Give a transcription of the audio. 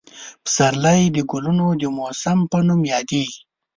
پسرلی د ګلونو د موسم په نوم یادېږي.